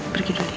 pergi dulu ya